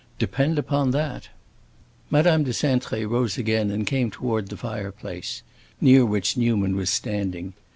Depend upon that!" Madame de Cintré rose again and came toward the fireplace, near which Newman was standing.